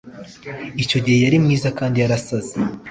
Icyo gihe yari mwiza kandi yarasaze